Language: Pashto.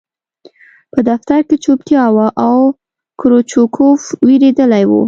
په دفتر کې چوپتیا وه او کروچکوف وېرېدلی و